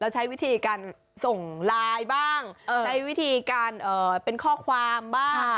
ใช้วิธีการส่งไลน์บ้างใช้วิธีการเป็นข้อความบ้าง